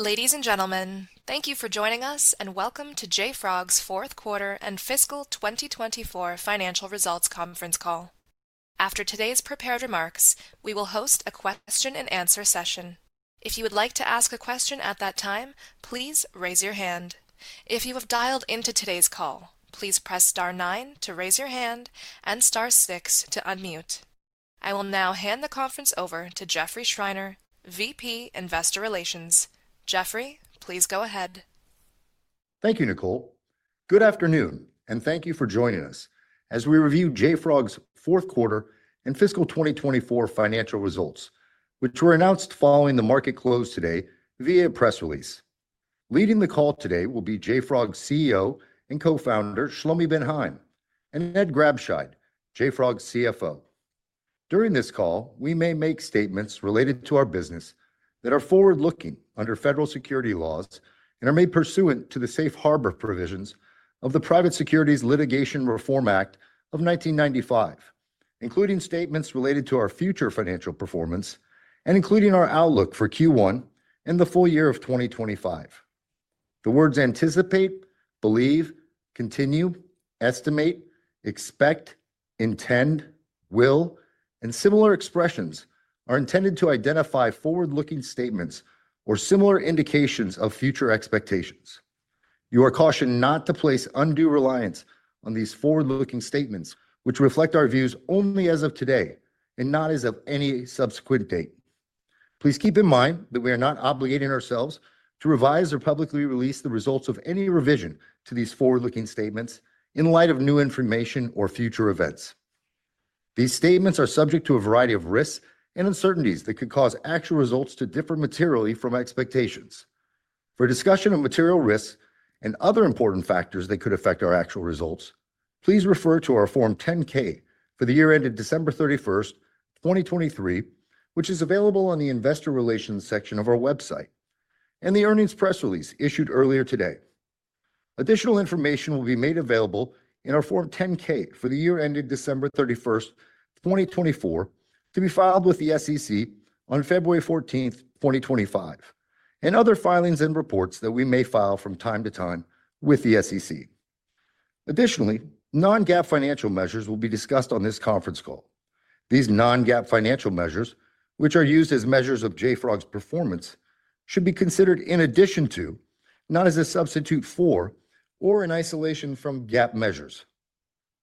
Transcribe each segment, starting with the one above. Ladies and gentlemen, thank you for joining us and welcome to JFrog's Fourth Quarter and Fiscal 2024 Financial Results Conference Call. After today's prepared remarks, we will host a question-and-answer session. If you would like to ask a question at that time, please raise your hand. If you have dialed into today's call, please press star nine to raise your hand and star six to unmute. I will now hand the conference over to Jeffrey Schreiner, VP Investor Relations. Jeffrey, please go ahead. Thank you, Nicole. Good afternoon, and thank you for joining us as we review JFrog's Fourth Quarter and Fiscal 2024 Financial Results, which were announced following the market close today via a press release. Leading the call today will be JFrog's CEO and co-founder, Shlomi Ben Haim, and Ed Grabscheid, JFrog's CFO. During this call, we may make statements related to our business that are forward-looking under federal securities laws and are made pursuant to the safe harbor provisions of the Private Securities Litigation Reform Act of 1995, including statements related to our future financial performance and including our outlook for Q1 and the full year of 2025. The words anticipate, believe, continue, estimate, expect, intend, will, and similar expressions are intended to identify forward-looking statements or similar indications of future expectations. You are cautioned not to place undue reliance on these forward-looking statements, which reflect our views only as of today and not as of any subsequent date. Please keep in mind that we are not obligating ourselves to revise or publicly release the results of any revision to these forward-looking statements in light of new information or future events. These statements are subject to a variety of risks and uncertainties that could cause actual results to differ materially from expectations. For discussion of material risks and other important factors that could affect our actual results, please refer to our Form 10-K for the year ended December 31st, 2023, which is available on the Investor Relations section of our website and the earnings press release issued earlier today. Additional information will be made available in our Form 10-K for the year ended December 31st, 2024, to be filed with the SEC on February 14th, 2025, and other filings and reports that we may file from time to time with the SEC. Additionally, non-GAAP financial measures will be discussed on this conference call. These non-GAAP financial measures, which are used as measures of JFrog's performance, should be considered in addition to, not as a substitute for, or in isolation from GAAP measures.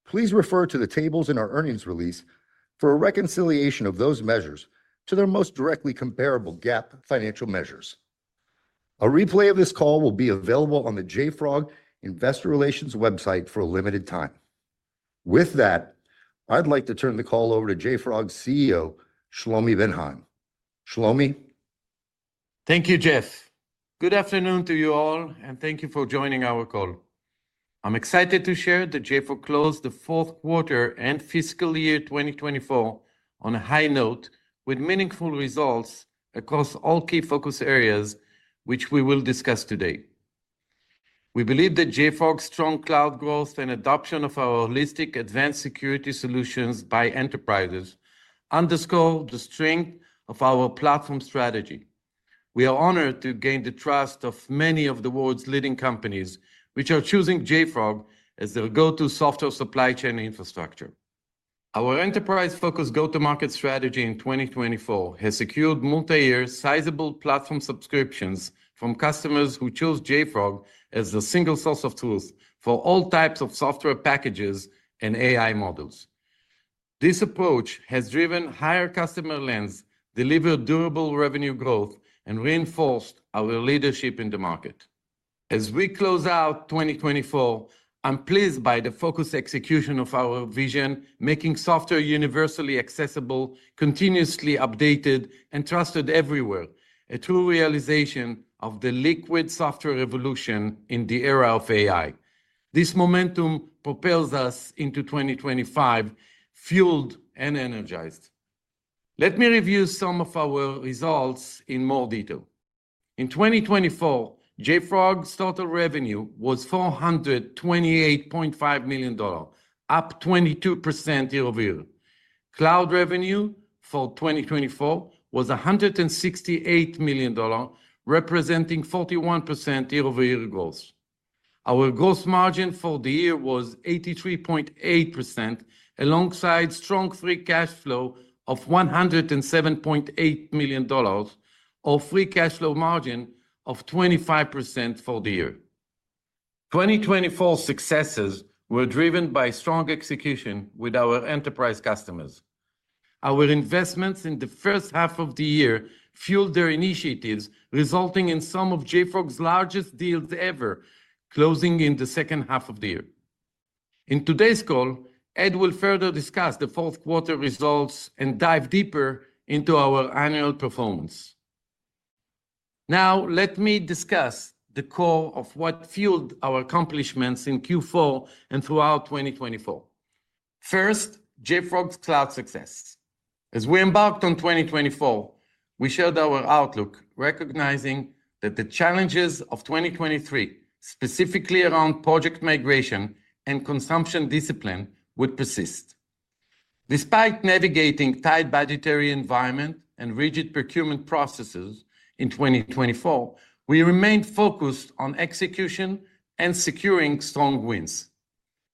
Please refer to the tables in our earnings release for a reconciliation of those measures to their most directly comparable GAAP financial measures. A replay of this call will be available on the JFrog Investor Relations website for a limited time. With that, I'd like to turn the call over to JFrog's CEO, Shlomi Ben Haim. Shlomi. Thank you, Jeff. Good afternoon to you all, and thank you for joining our call. I'm excited to share that JFrog closed the fourth quarter and fiscal year 2024 on a high note with meaningful results across all key focus areas, which we will discuss today. We believe that JFrog's strong cloud growth and adoption of our holistic advanced security solutions by enterprises underscore the strength of our platform strategy. We are honored to gain the trust of many of the world's leading companies, which are choosing JFrog as their go-to software supply chain infrastructure. Our enterprise-focused go-to-market strategy in 2024 has secured multi-year sizable platform subscriptions from customers who chose JFrog as the single source of truth for all types of software packages and AI models. This approach has driven higher customer lengths, delivered durable revenue growth, and reinforced our leadership in the market. As we close out 2024, I'm pleased by the focused execution of our vision, making software universally accessible, continuously updated, and trusted everywhere, a true realization of the Liquid Software revolution in the era of AI. This momentum propels us into 2025 fueled and energized. Let me review some of our results in more detail. In 2024, JFrog's total revenue was $428.5 million, up 22% year-over-year. Cloud revenue for 2024 was $168 million, representing 41% year-over-year growth. Our gross margin for the year was 83.8%, alongside strong free cash flow of $107.8 million or free cash flow margin of 25% for the year. 2024 successes were driven by strong execution with our enterprise customers. Our investments in the first half of the year fueled their initiatives, resulting in some of JFrog's largest deals ever closing in the second half of the year. In today's call, Ed will further discuss the fourth quarter results and dive deeper into our annual performance. Now, let me discuss the core of what fueled our accomplishments in Q4 and throughout 2024. First, JFrog's cloud success. As we embarked on 2024, we shared our outlook, recognizing that the challenges of 2023, specifically around project migration and consumption discipline, would persist. Despite navigating a tight budgetary environment and rigid procurement processes in 2024, we remained focused on execution and securing strong wins.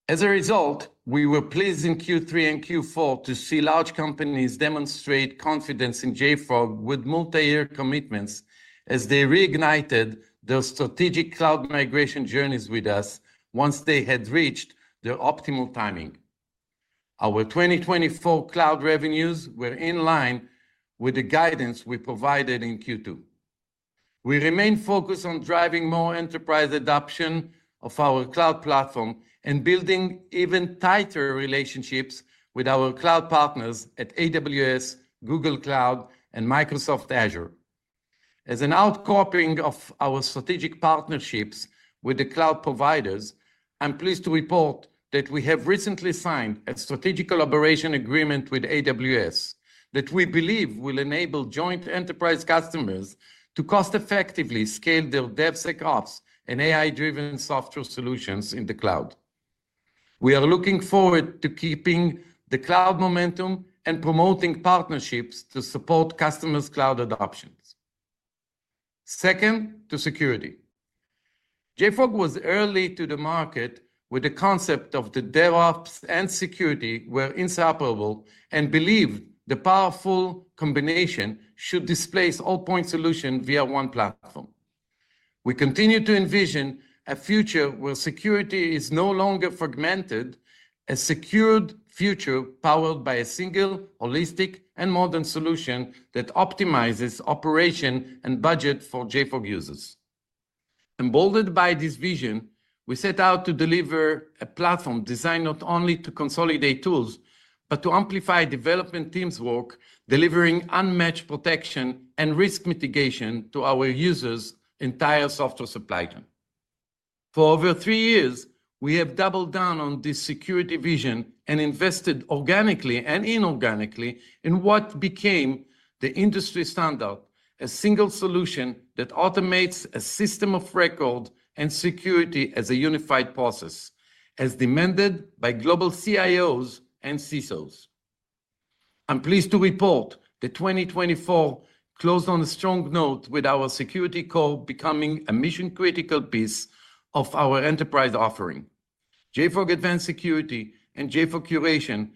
As a result, we were pleased in Q3 and Q4 to see large companies demonstrate confidence in JFrog with multi-year commitments as they reignited their strategic cloud migration journeys with us once they had reached their optimal timing. Our 2024 cloud revenues were in line with the guidance we provided in Q2. We remained focused on driving more enterprise adoption of our cloud platform and building even tighter relationships with our cloud partners at AWS, Google Cloud, and Microsoft Azure. As an outgrowth of our strategic partnerships with the cloud providers, I'm pleased to report that we have recently signed a Strategic Collaboration Agreement with AWS that we believe will enable joint enterprise customers to cost-effectively scale their DevSecOps and AI-driven software solutions in the cloud. We are looking forward to keeping the cloud momentum and promoting partnerships to support customers' cloud adoptions. Second, to security. JFrog was early to the market with the concept of the DevOps and security were inseparable and believed the powerful combination should displace all point solutions via one platform. We continue to envision a future where security is no longer fragmented, a secured future powered by a single, holistic, and modern solution that optimizes operation and budget for JFrog users. Emboldened by this vision, we set out to deliver a platform designed not only to consolidate tools, but to amplify development teams' work, delivering unmatched protection and risk mitigation to our users' entire software supply chain. For over three years, we have doubled down on this security vision and invested organically and inorganically in what became the industry standard, a single solution that automates a system of record and security as a unified process, as demanded by global CIOs and CISOs. I'm pleased to report that 2024 closed on a strong note with our security core becoming a mission-critical piece of our enterprise offering. JFrog Advanced Security and JFrog Curation,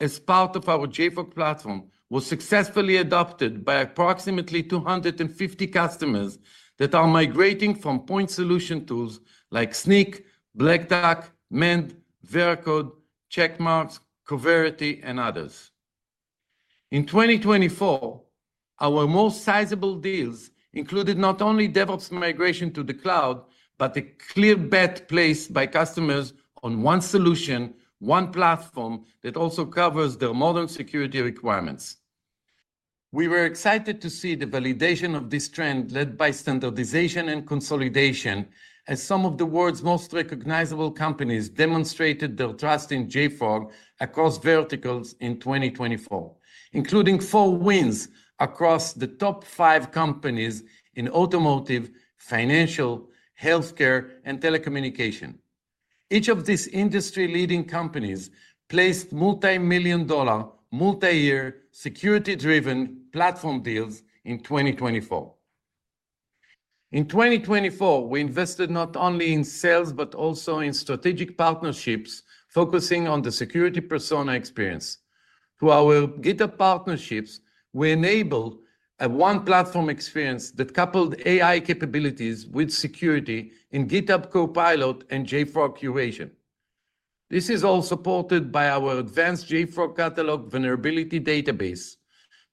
as part of our JFrog Platform, were successfully adopted by approximately 250 customers that are migrating from point solution tools like Snyk, Black Duck, Mend, Veracode, Checkmarx, Coverity, and others. In 2024, our most sizable deals included not only DevOps migration to the cloud, but a clear bet placed by customers on one solution, one platform that also covers their modern security requirements. We were excited to see the validation of this trend led by standardization and consolidation, as some of the world's most recognizable companies demonstrated their trust in JFrog across verticals in 2024, including four wins across the top five companies in automotive, financial, healthcare, and telecommunications. Each of these industry-leading companies placed multi-million-dollar, multi-year, security-driven platform deals in 2024. In 2024, we invested not only in sales, but also in strategic partnerships focusing on the security persona experience. Through our GitHub partnerships, we enabled a one-platform experience that coupled AI capabilities with security in GitHub Copilot and JFrog Curation. This is all supported by our advanced JFrog Catalog vulnerability database,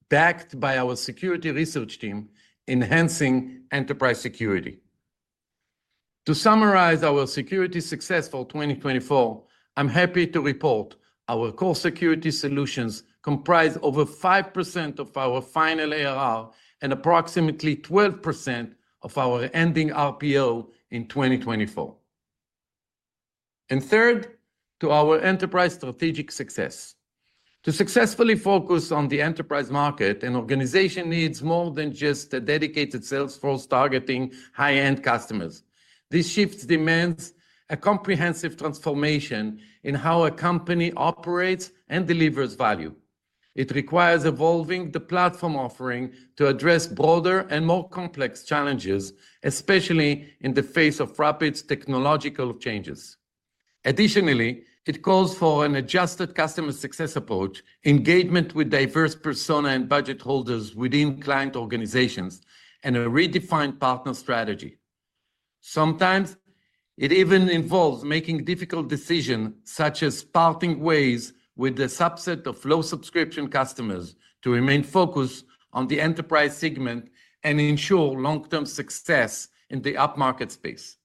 backed by our security research team, enhancing enterprise security. To summarize our security success for 2024, I'm happy to report our core security solutions comprise over 5% of our final ARR and approximately 12% of our ending RPO in 2024. And third, to our enterprise strategic success. To successfully focus on the enterprise market, an organization needs more than just a dedicated sales force targeting high-end customers. This shift demands a comprehensive transformation in how a company operates and delivers value. It requires evolving the platform offering to address broader and more complex challenges, especially in the face of rapid technological changes. Additionally, it calls for an adjusted customer success approach, engagement with diverse persona and budget holders within client organizations, and a redefined partner strategy. Sometimes, it even involves making difficult decisions such as parting ways with a subset of low-subscription customers to remain focused on the enterprise segment and ensure long-term success in the upmarket space.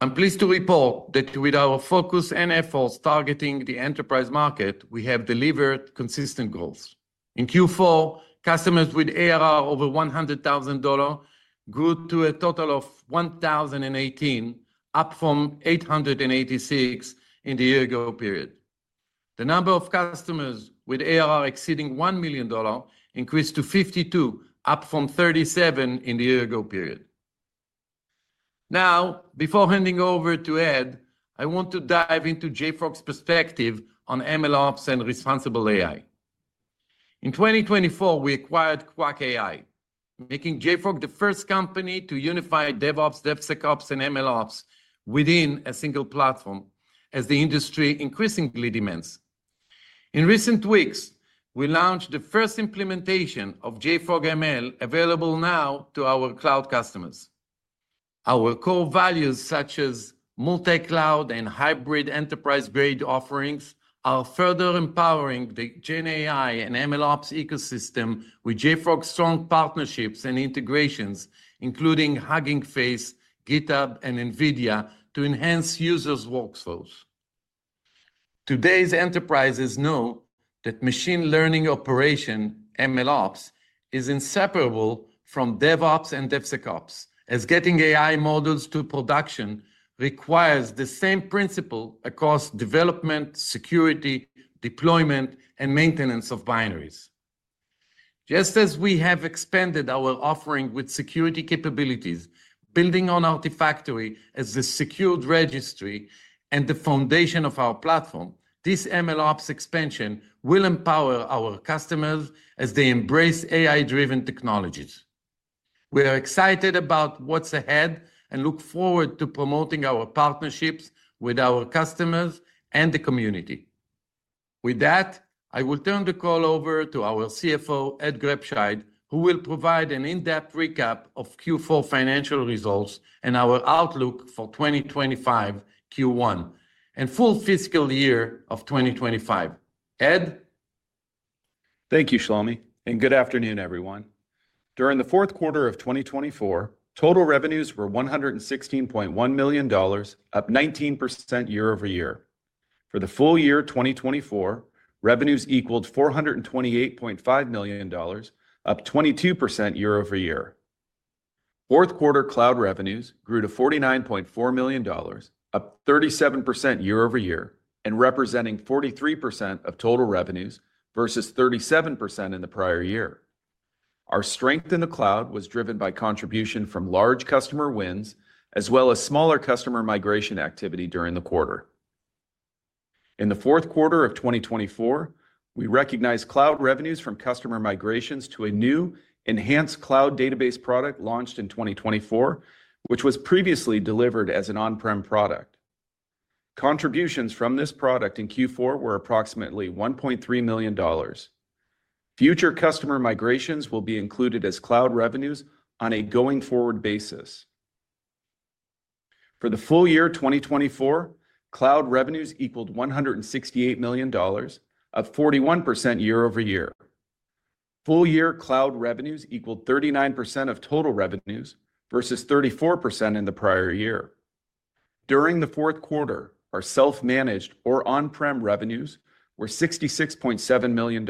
I'm pleased to report that with our focus and efforts targeting the enterprise market, we have delivered consistent growth. In Q4, customers with ARR over $100,000 grew to a total of 1,018, up from 886 in the year-ago period. The number of customers with ARR exceeding $1 million increased to 52, up from 37 in the year-ago period. Now, before handing over to Ed, I want to dive into JFrog's perspective on MLOps and responsible AI. In 2024, we acquired Qwak AI, making JFrog the first company to unify DevOps, DevSecOps, and MLOps within a single platform, as the industry increasingly demands. In recent weeks, we launched the first implementation of JFrog ML available now to our cloud customers. Our core values, such as multi-cloud and hybrid enterprise-grade offerings, are further empowering the GenAI and MLOps ecosystem with JFrog's strong partnerships and integrations, including Hugging Face, GitHub, and NVIDIA, to enhance users' workflows. Today's enterprises know that machine learning operation, MLOps, is inseparable from DevOps and DevSecOps, as getting AI models to production requires the same principle across development, security, deployment, and maintenance of binaries. Just as we have expanded our offering with security capabilities, building on Artifactory as the secured registry and the foundation of our platform, this MLOps expansion will empower our customers as they embrace AI-driven technologies. We are excited about what's ahead and look forward to promoting our partnerships with our customers and the community. With that, I will turn the call over to our CFO, Ed Grabscheid, who will provide an in-depth recap of Q4 financial results and our outlook for 2025 Q1 and full fiscal year of 2025. Ed? Thank you, Shlomi, and good afternoon, everyone. During the fourth quarter of 2024, total revenues were $116.1 million, up 19% year-over-year. For the full year 2024, revenues equaled $428.5 million, up 22% year-over-year. Fourth quarter cloud revenues grew to $49.4 million, up 37% year-over-year, and representing 43% of total revenues versus 37% in the prior year. Our strength in the cloud was driven by contribution from large customer wins, as well as smaller customer migration activity during the quarter. In the fourth quarter of 2024, we recognized cloud revenues from customer migrations to a new enhanced cloud database product launched in 2024, which was previously delivered as an on-prem product. Contributions from this product in Q4 were approximately $1.3 million. Future customer migrations will be included as cloud revenues on a going-forward basis. For the full year 2024, cloud revenues equaled $168 million, up 41% year-over-year. Full year cloud revenues equaled 39% of total revenues versus 34% in the prior year. During the fourth quarter, our self-managed or on-prem revenues were $66.7 million,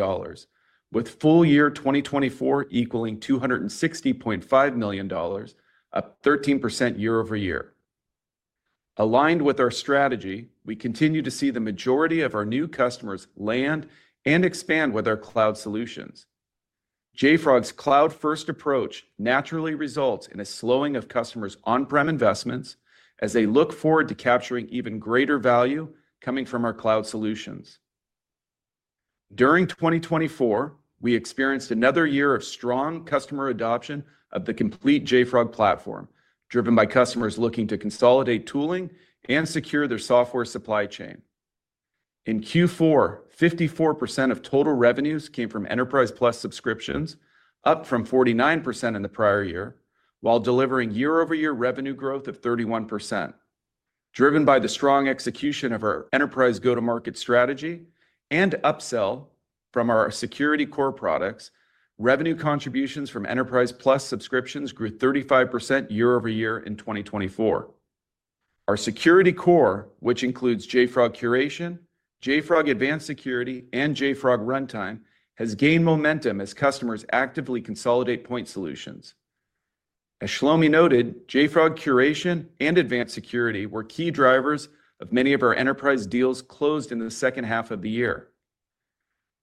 with full year 2024 equaling $260.5 million, up 13% year-over-year. Aligned with our strategy, we continue to see the majority of our new customers land and expand with our cloud solutions. JFrog's cloud-first approach naturally results in a slowing of customers' on-prem investments as they look forward to capturing even greater value coming from our cloud solutions. During 2024, we experienced another year of strong customer adoption of the complete JFrog Platform, driven by customers looking to consolidate tooling and secure their software supply chain. In Q4, 54% of total revenues came from Enterprise+ subscriptions, up from 49% in the prior year, while delivering year-over-year revenue growth of 31%. Driven by the strong execution of our enterprise go-to-market strategy and upsell from our security core products, revenue contributions from Enterprise+ subscriptions grew 35% year-over-year in 2024. Our security core, which includes JFrog Curation, JFrog Advanced Security, and JFrog Runtime, has gained momentum as customers actively consolidate point solutions. As Shlomi noted, JFrog Curation and Advanced Security were key drivers of many of our enterprise deals closed in the second half of the year.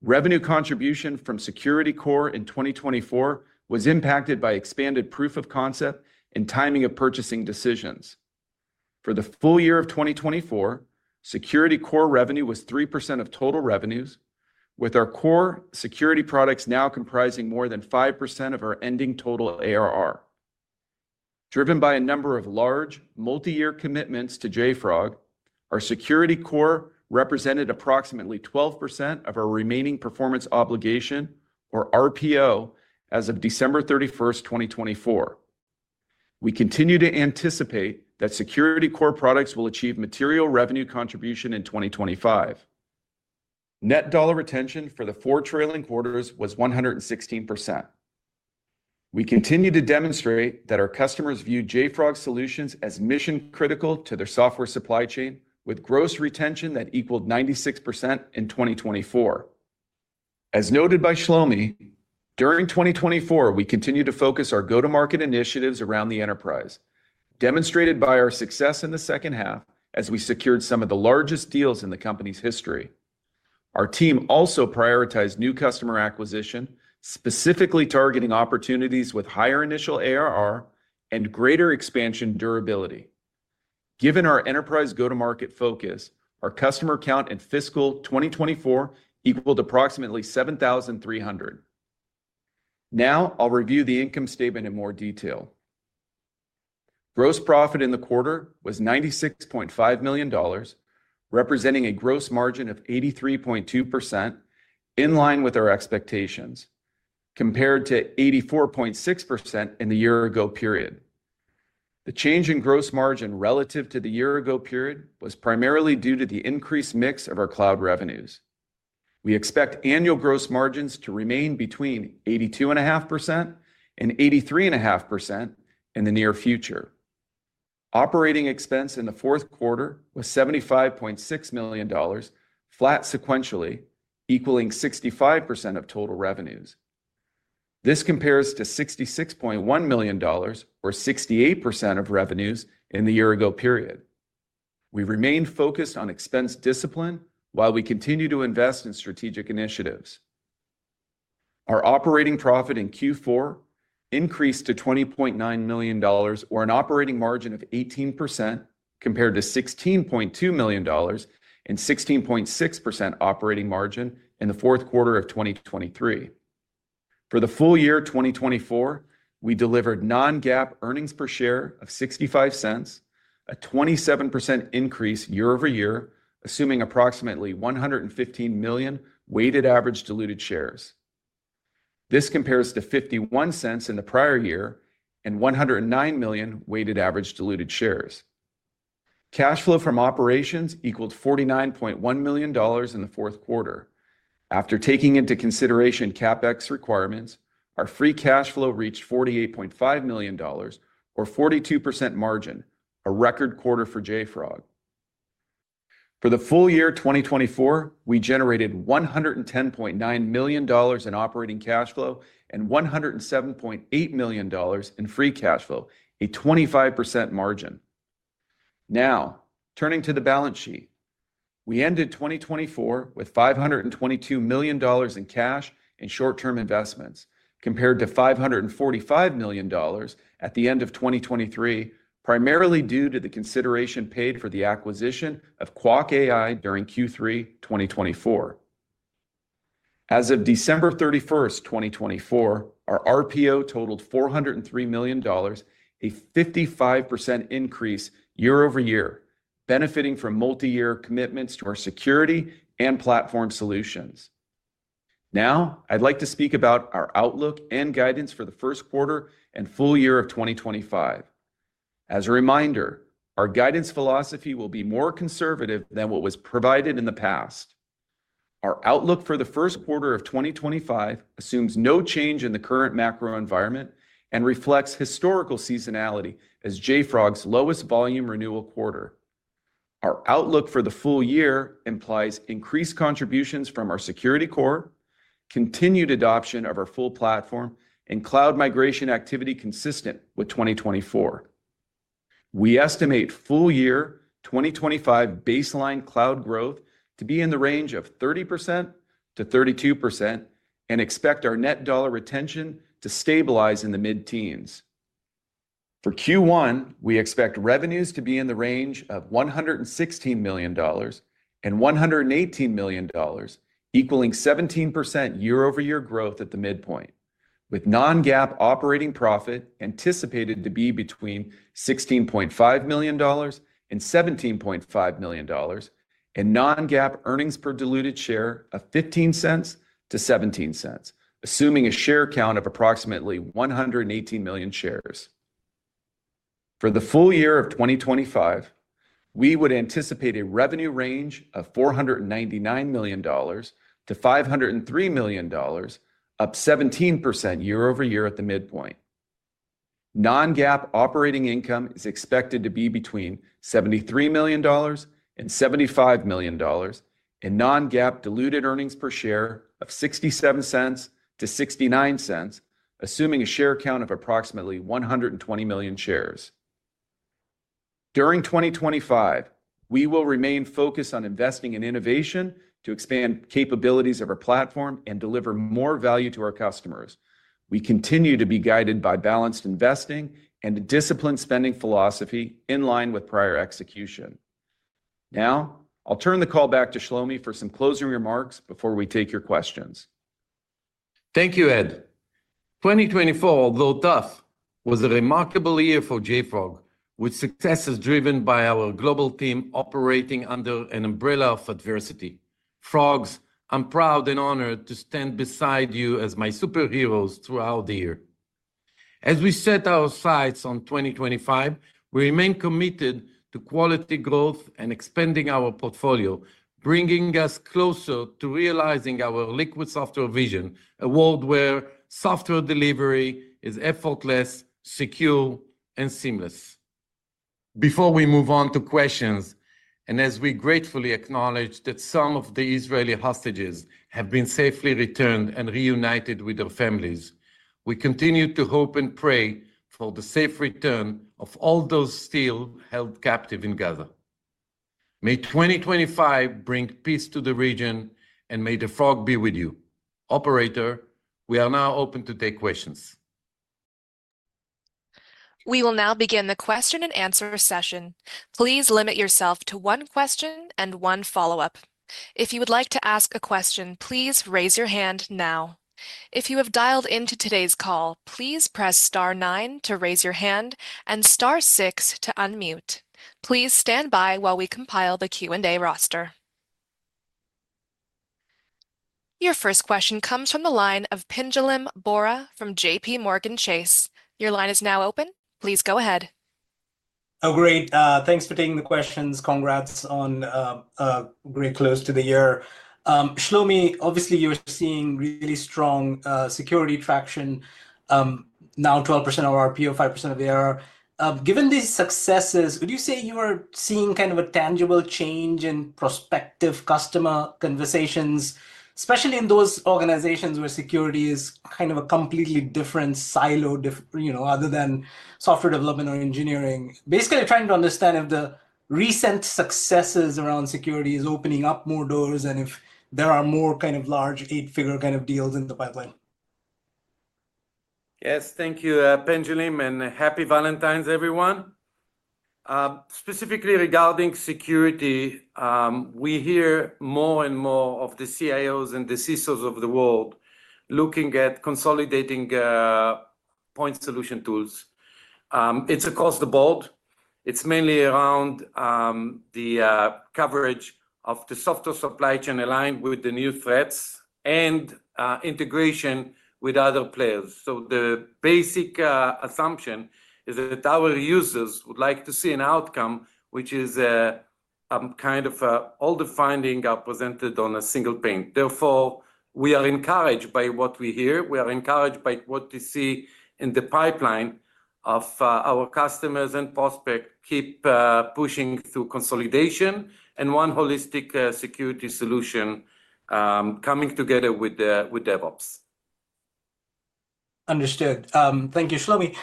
Revenue contribution from security core in 2024 was impacted by expanded proof of concept and timing of purchasing decisions. For the full year of 2024, security core revenue was 3% of total revenues, with our core security products now comprising more than 5% of our ending total ARR. Driven by a number of large multi-year commitments to JFrog, our security core represented approximately 12% of our remaining performance obligation, or RPO, as of December 31, 2024. We continue to anticipate that security core products will achieve material revenue contribution in 2025. Net dollar retention for the four trailing quarters was 116%. We continue to demonstrate that our customers view JFrog solutions as mission-critical to their software supply chain, with gross retention that equaled 96% in 2024. As noted by Shlomi, during 2024, we continued to focus our go-to-market initiatives around the enterprise, demonstrated by our success in the second half as we secured some of the largest deals in the company's history. Our team also prioritized new customer acquisition, specifically targeting opportunities with higher initial ARR and greater expansion durability. Given our enterprise go-to-market focus, our customer count in fiscal 2024 equaled approximately 7,300. Now, I'll review the income statement in more detail. Gross profit in the quarter was $96.5 million, representing a gross margin of 83.2%, in line with our expectations, compared to 84.6% in the year-ago period. The change in gross margin relative to the year-ago period was primarily due to the increased mix of our cloud revenues. We expect annual gross margins to remain between 82.5% and 83.5% in the near future. Operating expense in the fourth quarter was $75.6 million, flat sequentially, equaling 65% of total revenues. This compares to $66.1 million, or 68% of revenues in the year-ago period. We remain focused on expense discipline while we continue to invest in strategic initiatives. Our operating profit in Q4 increased to $20.9 million, or an operating margin of 18%, compared to $16.2 million and 16.6% operating margin in the fourth quarter of 2023. For the full year 2024, we delivered non-GAAP earnings per share of $0.65, a 27% increase year-over-year, assuming approximately 115 million weighted average diluted shares. This compares to $0.51 in the prior year and 109 million weighted average diluted shares. Cash flow from operations equaled $49.1 million in the fourth quarter. After taking into consideration CapEx requirements, our free cash flow reached $48.5 million, or 42% margin, a record quarter for JFrog. For the full year 2024, we generated $110.9 million in operating cash flow and $107.8 million in free cash flow, a 25% margin. Now, turning to the balance sheet, we ended 2024 with $522 million in cash and short-term investments, compared to $545 million at the end of 2023, primarily due to the consideration paid for the acquisition of Qwak AI during Q3 2024. As of December 31, 2024, our RPO totaled $403 million, a 55% increase year-over-year, benefiting from multi-year commitments to our security and platform solutions. Now, I'd like to speak about our outlook and guidance for the first quarter and full year of 2025. As a reminder, our guidance philosophy will be more conservative than what was provided in the past. Our outlook for the first quarter of 2025 assumes no change in the current macro environment and reflects historical seasonality as JFrog's lowest volume renewal quarter. Our outlook for the full year implies increased contributions from our security core, continued adoption of our full platform, and cloud migration activity consistent with 2024. We estimate full year 2025 baseline cloud growth to be in the range of 30%-32% and expect our net dollar retention to stabilize in the mid-teens. For Q1, we expect revenues to be in the range of $116-$118 million, equaling 17% year-over-year growth at the midpoint, with non-GAAP operating profit anticipated to be between $16.5 million and $17.5 million, and non-GAAP earnings per diluted share of $0.15-$0.17, assuming a share count of approximately 118 million shares. For the full year of 2025, we would anticipate a revenue range of $499 million to $503 million, up 17% year-over-year at the midpoint. Non-GAAP operating income is expected to be between $73 million to $75 million, and Non-GAAP diluted earnings per share of $0.67 to $0.69, assuming a share count of approximately 120 million shares. During 2025, we will remain focused on investing in innovation to expand capabilities of our platform and deliver more value to our customers. We continue to be guided by balanced investing and a disciplined spending philosophy in line with prior execution. Now, I'll turn the call back to Shlomi for some closing remarks before we take your questions. Thank you, Ed. 2024, although tough, was a remarkable year for JFrog, with successes driven by our global team operating under an umbrella of adversity. Frogs, I'm proud and honored to stand beside you as my superheroes throughout the year. As we set our sights on 2025, we remain committed to quality growth and expanding our portfolio, bringing us closer to realizing our Liquid Software vision, a world where software delivery is effortless, secure, and seamless. Before we move on to questions, and as we gratefully acknowledge that some of the Israeli hostages have been safely returned and reunited with their families, we continue to hope and pray for the safe return of all those still held captive in Gaza. May 2025 bring peace to the region, and may the Frog be with you. Operator, we are now open to take questions. We will now begin the question and answer session. Please limit yourself to one question and one follow-up. If you would like to ask a question, please raise your hand now. If you have dialed into today's call, please press star nine to raise your hand and star six to unmute. Please stand by while we compile the Q&A roster. Your first question comes from the line of Pinjalim Bora from JPMorgan Chase. Your line is now open. Please go ahead. Oh, great. Thanks for taking the questions. Congrats on very close to the year. Shlomi, obviously, you're seeing really strong security traction, now 12% of RPO, 5% of the ARR. Given these successes, would you say you are seeing kind of a tangible change in prospective customer conversations, especially in those organizations where security is kind of a completely different silo, you know, other than software development or engineering? Basically, trying to understand if the recent successes around security are opening up more doors and if there are more kind of large eight-figure kind of deals in the pipeline. Yes, thank you, Pinjalim, and Happy Valentine's, everyone. Specifically regarding security, we hear more and more of the CIOs and the CISOs of the world looking at consolidating point solution tools. It's across the board. It's mainly around the coverage of the software supply chain aligned with the new threats and integration with other players. So the basic assumption is that our users would like to see an outcome, which is a kind of all the findings are presented on a single pane. Therefore, we are encouraged by what we hear. We are encouraged by what we see in the pipeline of our customers and prospects keep pushing through consolidation and one holistic security solution coming together with DevOps. Understood. Thank you, Shlomi.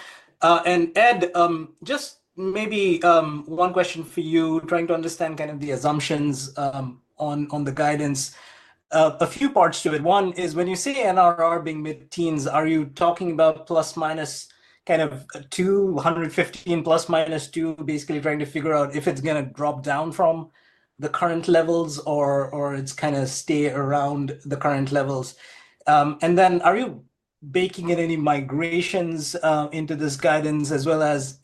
And Ed, just maybe one question for you, trying to understand kind of the assumptions on the guidance. A few parts to it. One is when you say NRR being mid-teens, are you talking about plus-minus kind of 215 plus-minus 2, basically trying to figure out if it's going to drop down from the current levels or it's kind of stay around the current levels? And then are you baking in any migrations into this guidance, as well as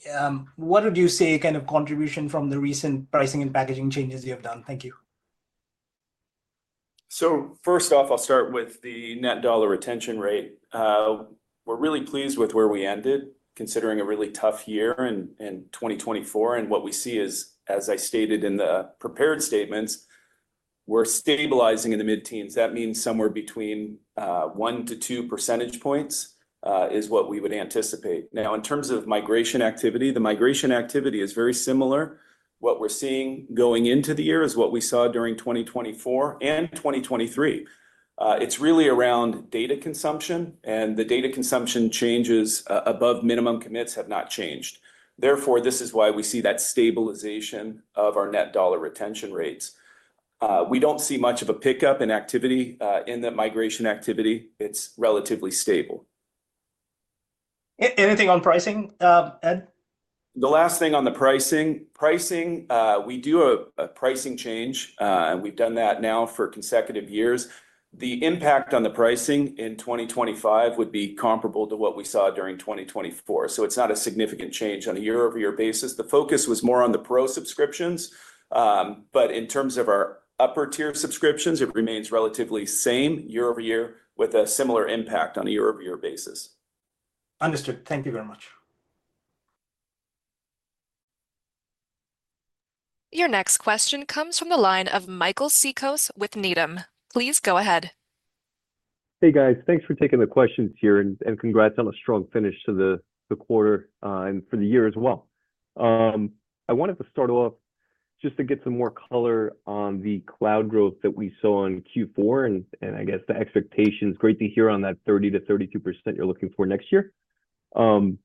what would you say kind of contribution from the recent pricing and packaging changes you have done? Thank you. So first off, I'll start with the net dollar retention rate. We're really pleased with where we ended, considering a really tough year in 2024. And what we see is, as I stated in the prepared statements, we're stabilizing in the mid-teens. That means somewhere between one to two percentage points is what we would anticipate. Now, in terms of migration activity, the migration activity is very similar. What we're seeing going into the year is what we saw during 2024 and 2023. It's really around data consumption, and the data consumption changes above minimum commits have not changed. Therefore, this is why we see that stabilization of our net dollar retention rates. We don't see much of a pickup in activity, in the migration activity. It's relatively stable. Anything on pricing, Ed? The last thing on the pricing, we do a pricing change, and we've done that now for consecutive years. The impact on the pricing in 2025 would be comparable to what we saw during 2024. So it's not a significant change on a year-over-year basis. The focus was more on the Pro Subscriptions. But in terms of our upper-tier subscriptions, it remains relatively same year-over-year with a similar impact on a year-over-year basis. Understood. Thank you very much. Your next question comes from the line of Michael Cikos with Needham. Please go ahead. Hey, guys, thanks for taking the questions here, and congrats on a strong finish to the quarter, and for the year as well. I wanted to start off just to get some more color on the cloud growth that we saw in Q4, and I guess the expectations. Great to hear on that 30%-32% you're looking for next year. Can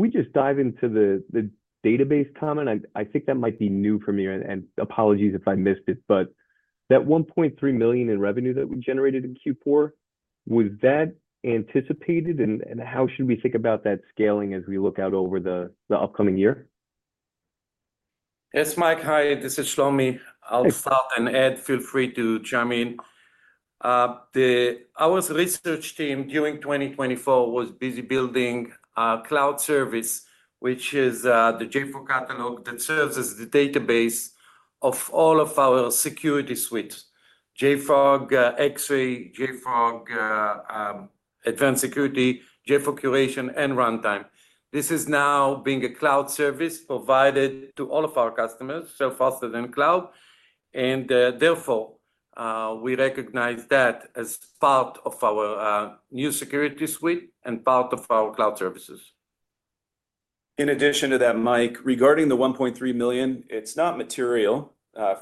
we just dive into the database comment? I think that might be new for me, and apologies if I missed it, but that $1.3 million in revenue that we generated in Q4, was that anticipated, and how should we think about that scaling as we look out over the upcoming year? Yes, Mike, hi, this is Shlomi. I'll start, and Ed, feel free to chime in. Our research team during 2024 was busy building a cloud service, which is the JFrog Catalog that serves as the database of all of our security suites: JFrog Xray, JFrog Advanced Security, JFrog Curation, and JFrog Runtime. This is now being a cloud service provided to all of our customers, so faster than cloud, and, therefore, we recognize that as part of our new security suite and part of our cloud services. In addition to that, Mike, regarding the $1.3 million, it's not material,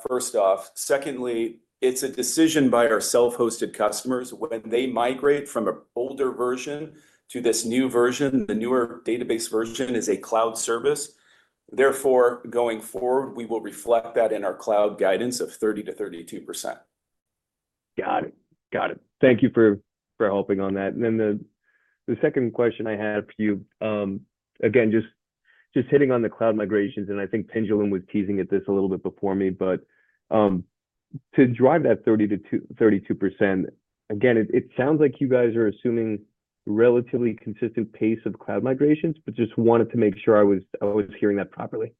first off. Secondly, it's a decision by our self-hosted customers when they migrate from an older version to this new version. The newer database version is a cloud service. Therefore, going forward, we will reflect that in our cloud guidance of 30%-32%. Got it. Got it. Thank you for helping on that. And then the second question I had for you, again, just hitting on the cloud migrations, and I think Pinjalim was teasing at this a little bit before me, but to drive that 30%-32%, again, it sounds like you guys are assuming a relatively consistent pace of cloud migrations, but just wanted to make sure I was hearing that properly.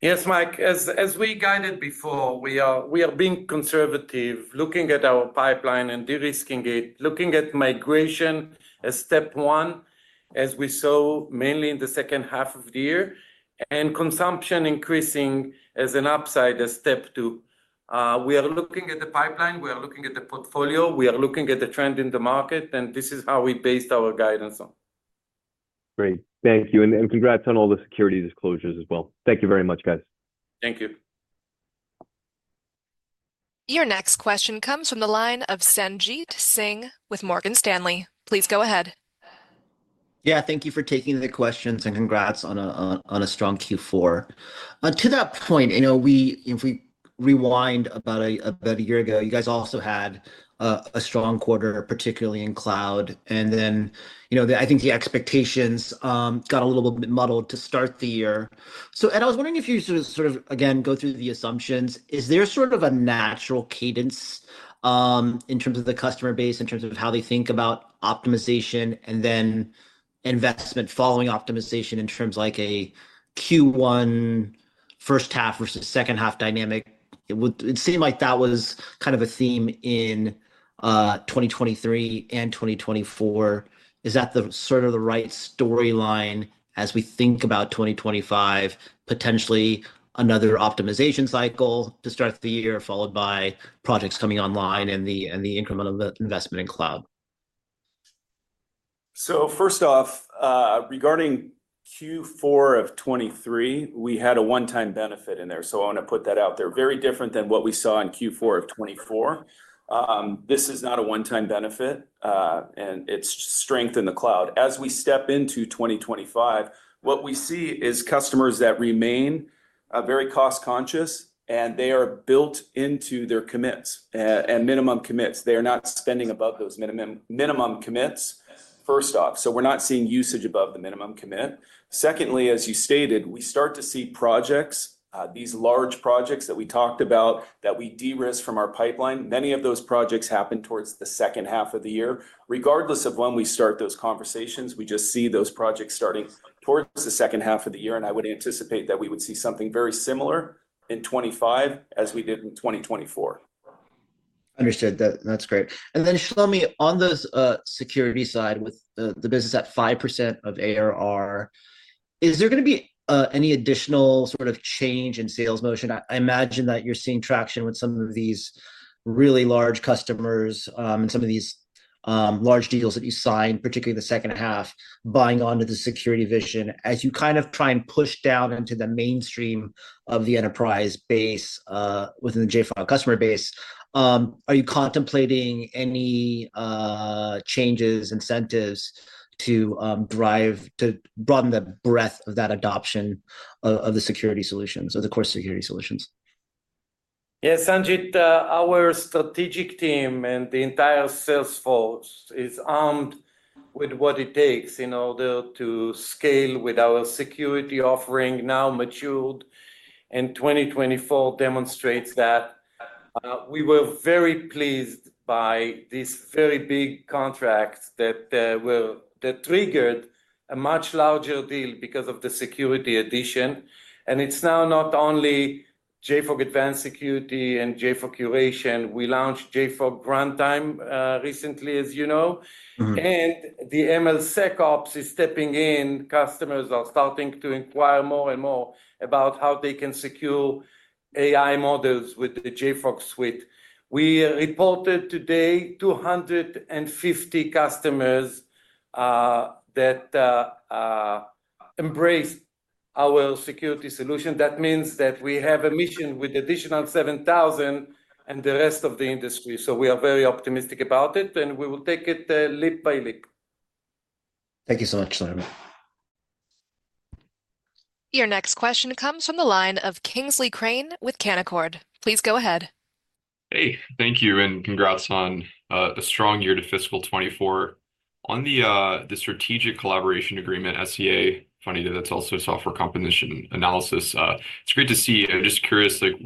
Yes, Mike, as we guided before, we are being conservative, looking at our pipeline and de-risking it, looking at migration as step one, as we saw mainly in the second half of the year, and consumption increasing as an upside as step two. We are looking at the pipeline, we are looking at the portfolio, we are looking at the trend in the market, and this is how we based our guidance on. Great. Thank you, and congrats on all the security disclosures as well. Thank you very much, guys. Thank you. Your next question comes from the line of Sanjit Singh with Morgan Stanley. Please go ahead. Yeah, thank you for taking the questions and congrats on a strong Q4. To that point, you know, if we rewind about a year ago, you guys also had a strong quarter, particularly in cloud, and then, you know, I think the expectations got a little bit muddled to start the year. So, Ed, I was wondering if you sort of again go through the assumptions, is there sort of a natural cadence, in terms of the customer base, in terms of how they think about optimization and then investment following optimization in terms like a Q1 first half versus second half dynamic? It would seem like that was kind of a theme in 2023 and 2024. Is that the sort of right storyline as we think about 2025, potentially another optimization cycle to start the year followed by projects coming online and the incremental investment in cloud? So first off, regarding Q4 of 2023, we had a one-time benefit in there, so I want to put that out there. Very different than what we saw in Q4 of 2024. This is not a one-time benefit, and it's strength in the cloud. As we step into 2025, what we see is customers that remain very cost-conscious, and they are built into their commits and minimum commits. They are not spending above those minimum commits, first off. So we're not seeing usage above the minimum commit. Secondly, as you stated, we start to see projects, these large projects that we talked about, that we de-risk from our pipeline. Many of those projects happen towards the second half of the year. Regardless of when we start those conversations, we just see those projects starting towards the second half of the year, and I would anticipate that we would see something very similar in 2025 as we did in 2024. Understood. That's great. And then, Shlomi, on the security side with the business at 5% of ARR, is there going to be any additional sort of change in sales motion? I imagine that you're seeing traction with some of these really large customers and some of these large deals that you signed, particularly the second half, buying into the security vision as you kind of try and push down into the mainstream of the enterprise base within the JFrog customer base. Are you contemplating any changes, incentives to drive to broaden the breadth of that adoption of the security solutions, of the core security solutions? Yes, Sanjit, our strategic team and the entire sales force is armed with what it takes in order to scale with our security offering now matured, and 2024 demonstrates that. We were very pleased by this very big contract that triggered a much larger deal because of the security addition, and it's now not only JFrog Advanced Security and JFrog Curation. We launched JFrog Runtime recently, as you know, and the MLSecOps is stepping in. Customers are starting to inquire more and more about how they can secure AI models with the JFrog suite. We reported today 250 customers that embraced our security solution. That means that we have a mission with additional 7,000 and the rest of the industry. So we are very optimistic about it, and we will take it step by step. Thank you so much, Shlomi. Your next question comes from the line of Kingsley Crane with Canaccord. Please go ahead. Hey, thank you, and congrats on a strong year to fiscal 2024. On the strategic collaboration agreement, SCA, funny that that's also Software Composition Analysis. It's great to see. I'm just curious, like,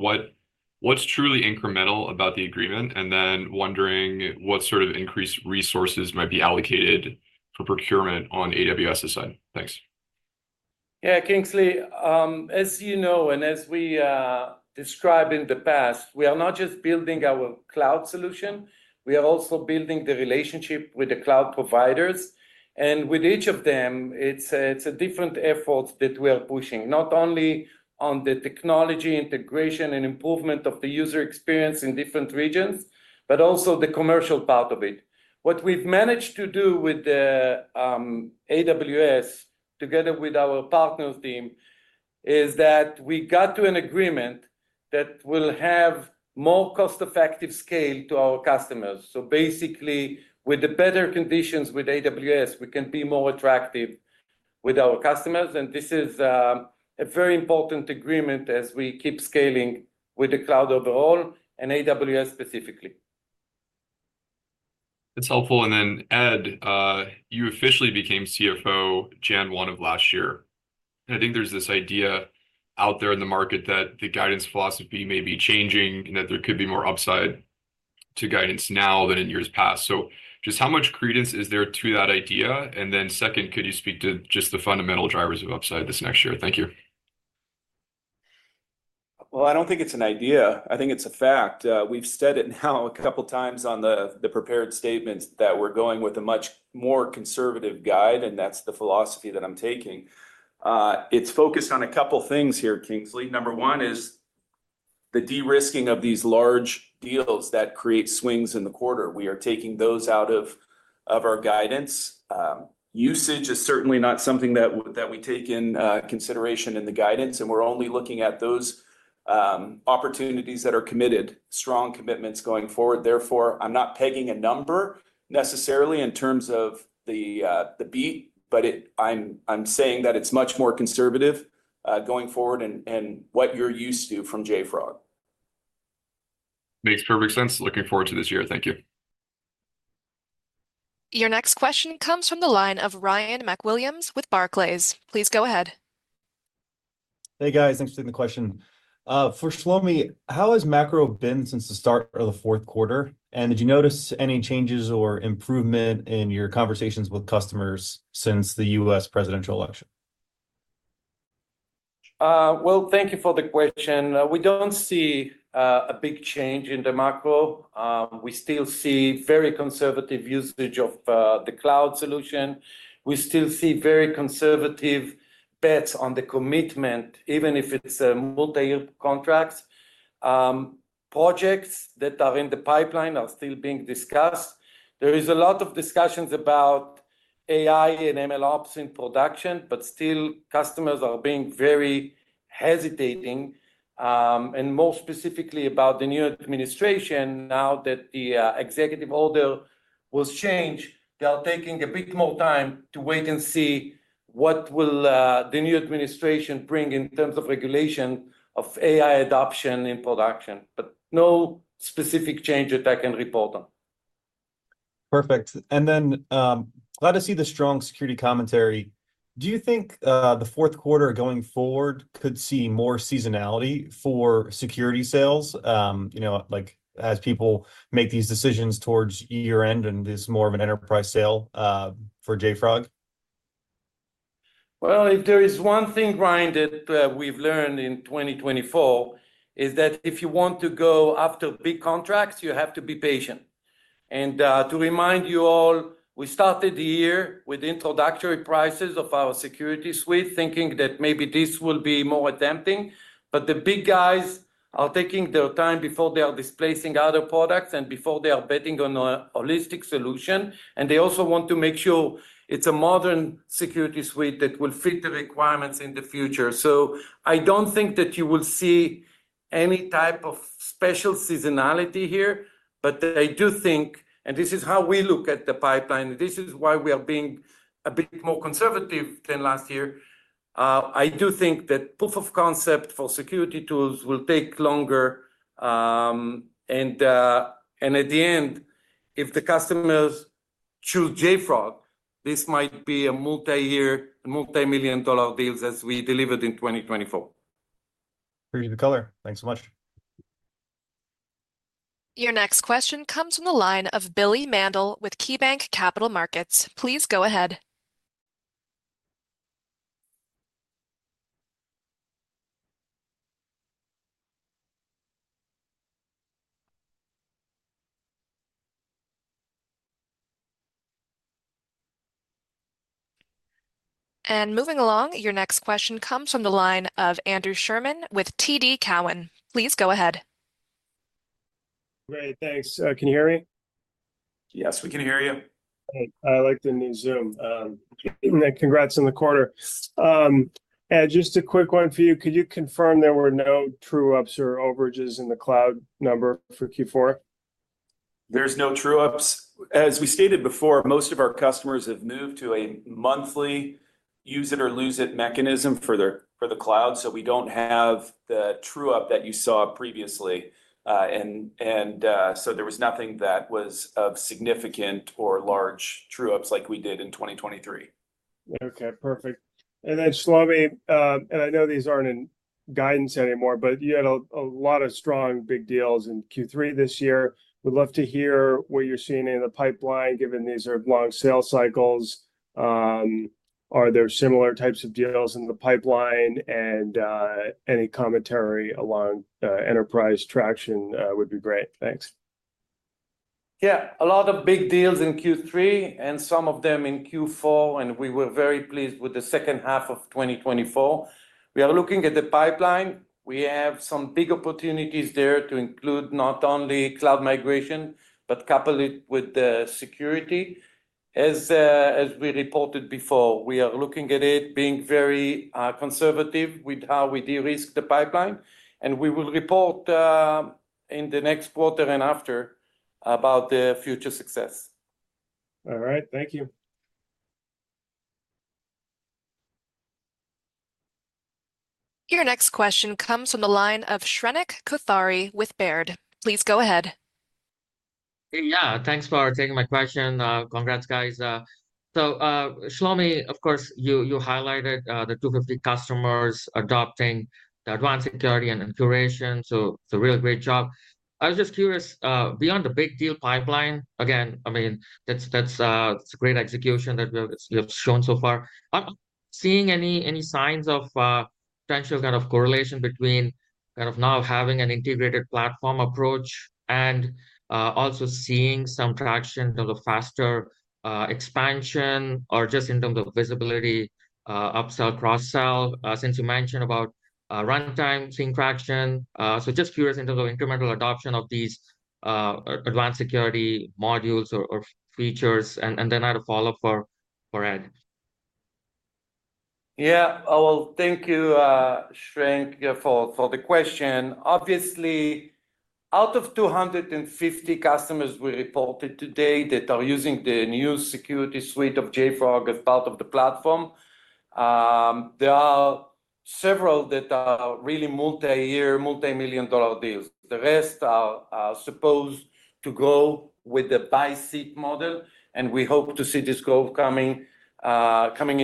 what's truly incremental about the agreement, and then wondering what sort of increased resources might be allocated for procurement on AWS's side. Thanks. Yeah, Kingsley, as you know, and as we described in the past, we are not just building our cloud solution. We are also building the relationship with the cloud providers, and with each of them, it's a different effort that we are pushing, not only on the technology integration and improvement of the user experience in different regions, but also the commercial part of it. What we've managed to do with AWS together with our partner team is that we got to an agreement that will have more cost-effective scale to our customers. So basically, with the better conditions with AWS, we can be more attractive with our customers, and this is a very important agreement as we keep scaling with the cloud overall and AWS specifically. That's helpful. And then, Ed, you officially became CFO January 1 of last year, and I think there's this idea out there in the market that the guidance philosophy may be changing and that there could be more upside to guidance now than in years past. So just how much credence is there to that idea? And then second, could you speak to just the fundamental drivers of upside this next year? Thank you. Well, I don't think it's an idea. I think it's a fact. We've said it now a couple times on the prepared statements that we're going with a much more conservative guide, and that's the philosophy that I'm taking. It's focused on a couple things here, Kingsley. Number one is the de-risking of these large deals that create swings in the quarter. We are taking those out of our guidance. Usage is certainly not something that we take into consideration in the guidance, and we're only looking at those opportunities that are committed, strong commitments going forward. Therefore, I'm not pegging a number necessarily in terms of the beat, but I'm saying that it's much more conservative going forward and what you're used to from JFrog. Makes perfect sense. Looking forward to this year. Thank you. Your next question comes from the line of Ryan MacWilliams with Barclays. Please go ahead. Hey, guys, thanks for taking the question. For Shlomi, how has macro been since the start of the fourth quarter, and did you notice any changes or improvement in your conversations with customers since the U.S. presidential election? Well, thank you for the question. We don't see a big change in the macro. We still see very conservative usage of the cloud solution. We still see very conservative bets on the commitment, even if it's a multi-year contract. Projects that are in the pipeline are still being discussed. There is a lot of discussions about AI and MLOps in production, but still customers are being very hesitating, and more specifically about the new administration. Now that the executive order was changed, they are taking a bit more time to wait and see what will the new administration bring in terms of regulation of AI adoption in production, but no specific change that I can report on. Perfect. And then, glad to see the strong security commentary. Do you think the fourth quarter going forward could see more seasonality for security sales, you know, like as people make these decisions towards year-end and this more of an enterprise sale for JFrog? Well, if there is one thing we've learned in 2024 is that if you want to go after big contracts, you have to be patient. And to remind you all, we started the year with introductory prices of our security suite, thinking that maybe this will be more tempting, but the big guys are taking their time before they are displacing other products and before they are betting on a holistic solution, and they also want to make sure it's a modern security suite that will fit the requirements in the future. So I don't think that you will see any type of special seasonality here, but I do think, and this is how we look at the pipeline, and this is why we are being a bit more conservative than last year. I do think that proof of concept for security tools will take longer, and at the end, if the customers choose JFrog, this might be a multi-year, multi-million-dollar deals as we delivered in 2024. Appreciate the color. Thanks so much. Your next question comes from the line of Billy Mandl with KeyBanc Capital Markets. Please go ahead. And moving along, your next question comes from the line of Andrew Sherman with TD Cowen. Please go ahead. Great. Thanks. Can you hear me? Yes, we can hear you. I like the new Zoom. Congrats on the quarter. Ed, just a quick one for you. Could you confirm there were no true-ups or overages in the cloud number for Q4? There's no true-ups. As we stated before, most of our customers have moved to a monthly use-it-or-lose-it mechanism for the cloud, so we don't have the true-up that you saw previously. So there was nothing that was of significant or large true-ups like we did in 2023. Okay, perfect. And then, Shlomi, I know these aren't in guidance anymore, but you had a lot of strong big deals in Q3 this year. We'd love to hear what you're seeing in the pipeline, given these are long sales cycles. Are there similar types of deals in the pipeline? And any commentary along enterprise traction would be great. Thanks. Yeah, a lot of big deals in Q3 and some of them in Q4, and we were very pleased with the second half of 2024. We are looking at the pipeline. We have some big opportunities there to include not only cloud migration, but couple it with the security. As we reported before, we are looking at it being very conservative with how we de-risk the pipeline, and we will report in the next quarter and after about the future success. All right, thank you. Your next question comes from the line of Shrenik Kothari with Baird. Please go ahead. Yeah, thanks for taking my question. Congrats, guys. So, Shlomi, of course, you highlighted the 250 customers adopting the advanced security and curation. So real great job. I was just curious, beyond the big deal pipeline, again, I mean, that's, it's a great execution that we've shown so far. Am I seeing any signs of potential kind of correlation between kind of now having an integrated platform approach and also seeing some traction in terms of faster expansion or just in terms of visibility, upsell, cross-sell, since you mentioned about runtime seeing traction. So just curious in terms of incremental adoption of these advanced security modules or features. And then I had a follow-up for Ed. Yeah, well, thank you, Shrenik, for the question. Obviously, out of 250 customers we reported today that are using the new security suite of JFrog as part of the platform, there are several that are really multi-year, multi-million-dollar deals. The rest are supposed to go with the buy-seat model, and we hope to see this growth coming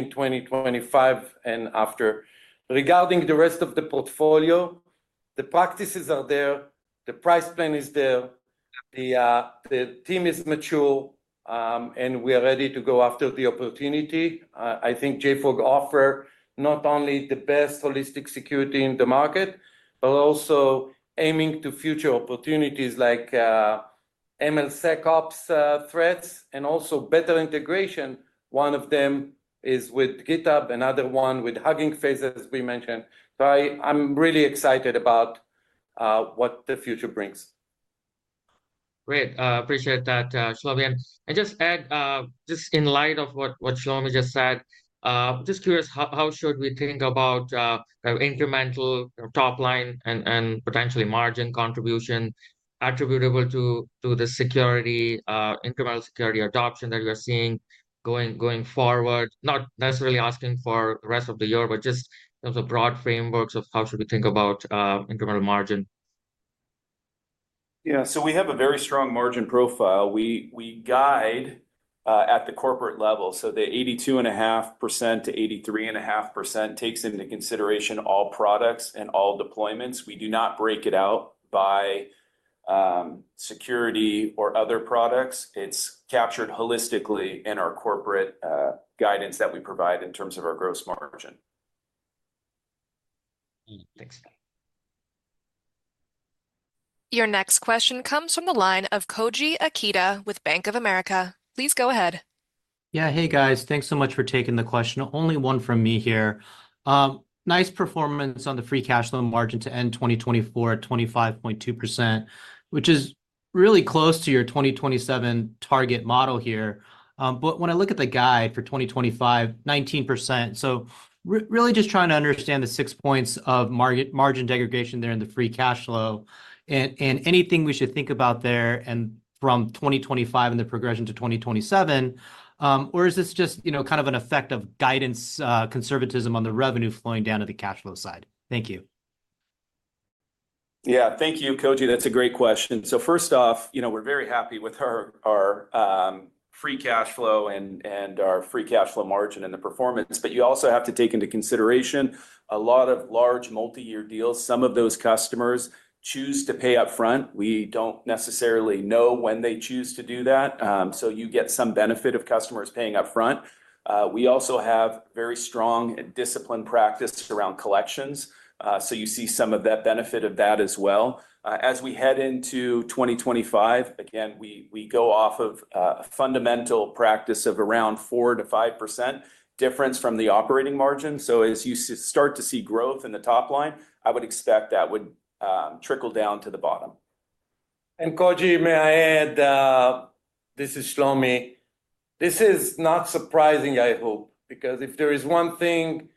in 2025 and after. Regarding the rest of the portfolio, the practices are there, the price plan is there, the team is mature, and we are ready to go after the opportunity. I think JFrog offers not only the best holistic security in the market, but also aiming to future opportunities like MLSecOps threats and also better integration. One of them is with GitHub, another one with Hugging Face, as we mentioned. So I'm really excited about what the future brings. Great. Appreciate that, Shlomi. And just in light of what Shlomi just said, just curious how should we think about kind of incremental top line and potentially margin contribution attributable to the security, incremental security adoption that we are seeing going forward, not necessarily asking for the rest of the year, but just in terms of broad frameworks of how should we think about incremental margin. Yeah, so we have a very strong margin profile. We guide at the corporate level. So the 82.5%-83.5% takes into consideration all products and all deployments. We do not break it out by security or other products. It's captured holistically in our corporate guidance that we provide in terms of our gross margin. Thanks. Your next question comes from the line of Koji Ikeda with Bank of America. Please go ahead. Yeah, hey guys, thanks so much for taking the question. Only one from me here. Nice performance on the free cash flow margin to end 2024 at 25.2%, which is really close to your 2027 target model here. But when I look at the guide for 2025, 19%. So really just trying to understand the six points of margin degradation there in the free cash flow and anything we should think about there and from 2025 and the progression to 2027, or is this just, you know, kind of an effect of guidance, conservatism on the revenue flowing down to the cash flow side? Thank you. Yeah, thank you, Koji. That's a great question. So first off, you know, we're very happy with our free cash flow and our free cash flow margin and the performance, but you also have to take into consideration a lot of large multi-year deals. Some of those customers choose to pay upfront. We don't necessarily know when they choose to do that, so you get some benefit of customers paying upfront. We also have very strong discipline practice around collections, so you see some of that benefit of that as well. As we head into 2025, again, we go off of a fundamental practice of around 4%-5% difference from the operating margin. So as you start to see growth in the top line, I would expect that would trickle down to the bottom. And Koji, may I add, this is Shlomi. This is not surprising, I hope, because if there is one thing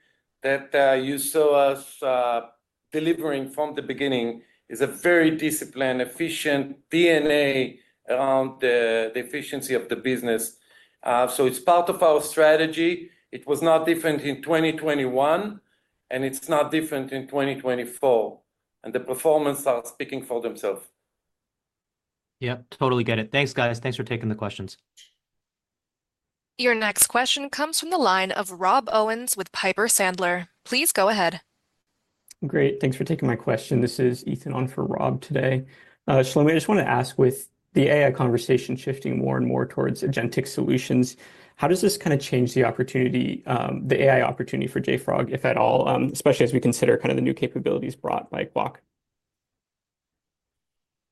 that you saw us delivering from the beginning is a very disciplined, efficient DNA around the efficiency of the business. So it's part of our strategy. It was not different in 2021, and it's not different in 2024. And the performance are speaking for themselves. Yep, totally get it. Thanks, guys. Thanks for taking the questions. Your next question comes from the line of Rob Owens with Piper Sandler. Please go ahead. Great. Thanks for taking my question. This is Ethan on for Rob today. Shlomi, I just want to ask with the AI conversation shifting more and more towards agentic solutions, how does this kind of change the opportunity, the AI opportunity for JFrog, if at all, especially as we consider kind of the new capabilities brought by Qwak?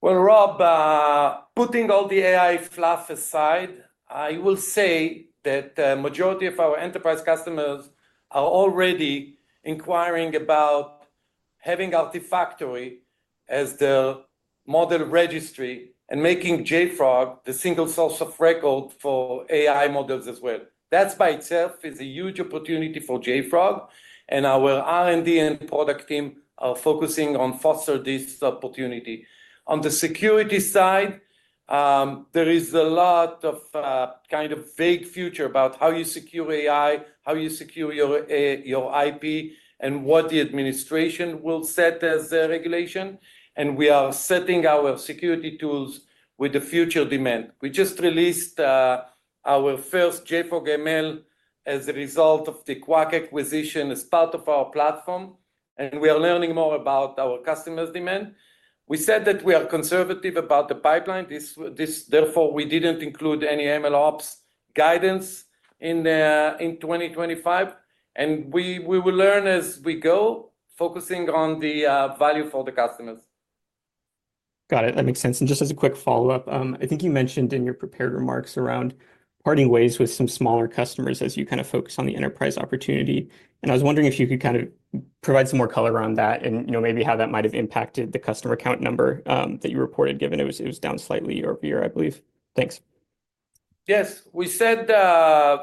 Rob, putting all the AI fluff aside, I will say that the majority of our enterprise customers are already inquiring about having Artifactory as their model registry and making JFrog the single source of record for AI models as well. That's by itself is a huge opportunity for JFrog, and our R&D and product team are focusing on fostering this opportunity. On the security side, there is a lot of, kind of vague future about how you secure AI, how you secure your IP, and what the administration will set as the regulation. And we are setting our security tools with the future demand. We just released our first JFrog ML as a result of the Qwak acquisition as part of our platform, and we are learning more about our customers' demand. We said that we are conservative about the pipeline. This therefore, we didn't include any MLOps guidance in 2025, and we will learn as we go, focusing on the value for the customers. Got it. That makes sense. And just as a quick follow-up, I think you mentioned in your prepared remarks around parting ways with some smaller customers as you kind of focus on the enterprise opportunity. And I was wondering if you could kind of provide some more color on that and, you know, maybe how that might have impacted the customer count number, that you reported, given it was down slightly earlier, I believe. Thanks. Yes, we said,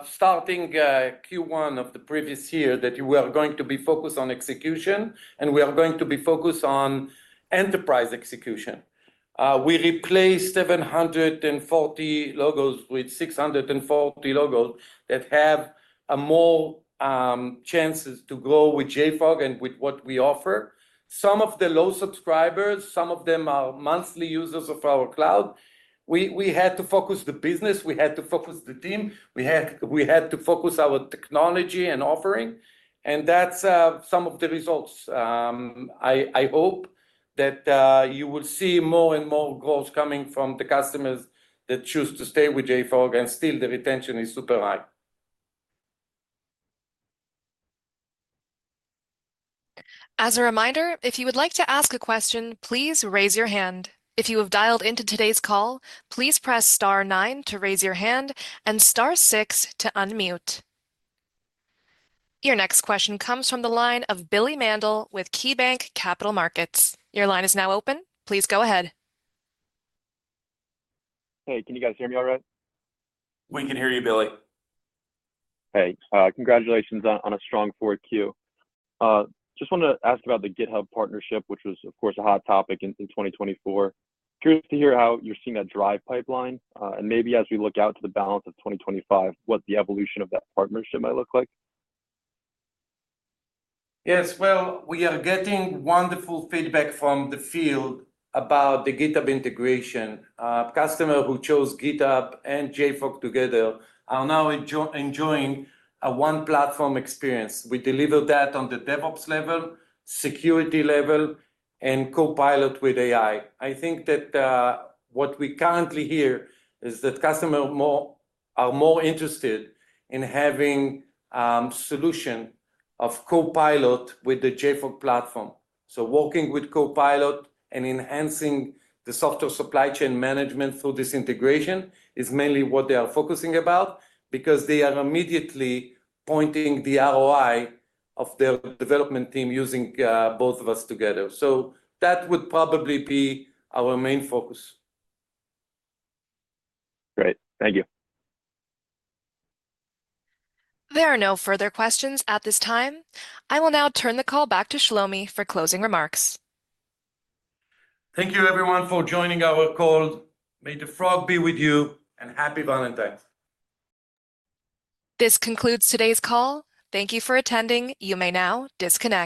starting Q1 of the previous year that you were going to be focused on execution, and we are going to be focused on enterprise execution. We replaced 740 logos with 640 logos that have more chances to grow with JFrog and with what we offer. Some of the low subscribers, some of them are monthly users of our cloud. We had to focus the business, we had to focus the team, we had to focus our technology and offering, and that's some of the results. I hope that you will see more and more growth coming from the customers that choose to stay with JFrog, and still the retention is super high. As a reminder, if you would like to ask a question, please raise your hand. If you have dialed into today's call, please press star nine to raise your hand and star six to unmute. Your next question comes from the line of Billy Mandl with KeyBanc Capital Markets. Your line is now open. Please go ahead. Hey, can you guys hear me all right? We can hear you, Billy. Hey, congratulations on a strong fourth Q. Just wanted to ask about the GitHub partnership, which was, of course, a hot topic in 2024. Curious to hear how you're seeing that drive pipeline, and maybe as we look out to the balance of 2025, what the evolution of that partnership might look like. Yes. Well, we are getting wonderful feedback from the field about the GitHub integration. Customers who chose GitHub and JFrog together are now enjoying a one-platform experience. We deliver that on the DevOps level, security level, and Copilot with AI. I think that what we currently hear is that customers are more interested in having a solution of Copilot with the JFrog platform. So, working with Copilot and enhancing the software supply chain management through this integration is mainly what they are focusing about because they are immediately pointing to the ROI of their development team using both of us together. So that would probably be our main focus. Great. Thank you. There are no further questions at this time. I will now turn the call back to Shlomi for closing remarks. Thank you, everyone, for joining our call. May the Frog be with you, and Happy Valentine's. This concludes today's call. Thank you for attending. You may now disconnect.